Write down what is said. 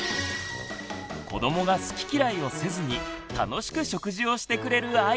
子どもが好き嫌いをせずに楽しく食事をしてくれるアイデアや。